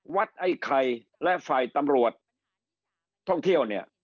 ไอ้ไข่และฝ่ายตำรวจท่องเที่ยวเนี่ย